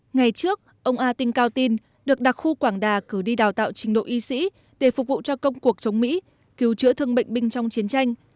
ngày trước ông ating cao tin được đặc khu quảng đà cử đi đào tạo trình độ y sĩ để phục vụ cho công cuộc chống mỹ cứu chữa thương bệnh binh trong chiến tranh